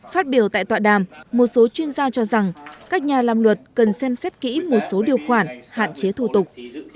phát biểu tại tọa đàm một số chuyên gia cho rằng các nhà làm luật cần xem xét kỹ một số điều khoản hạn chế thủ tục